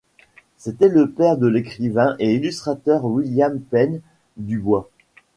C’était le père de l’écrivain et illustrateur William Pène du Bois.